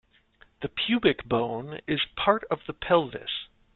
The pubic bone is part of the pelvis.